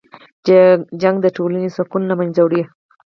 جګړه د ټولنې سکون له منځه وړي